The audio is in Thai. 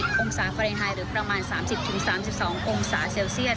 ขึ้นถึง๙๐องศาเฟรนไทห์หรือประมาณ๓๐๓๒องศาเซลเซียส